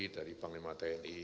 dari panglima tni